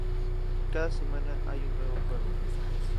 Cada semana hay un nuevo juego.